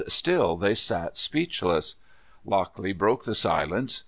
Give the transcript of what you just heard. still they sat speechless'^ Lockley broke the silence.